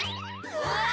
うわ！